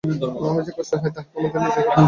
আমরা যে কষ্ট পাই, তাহা আমাদের নিজেদের কর্মফলে।